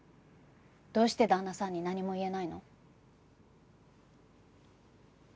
どうして旦那さんに何も言えないの？